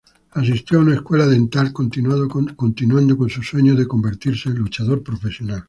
Asistió a una escuela dental continuando con sus sueños de convertirse en luchador profesional.